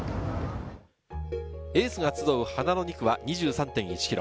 エースが集う花の２区は２３．１ｋｍ。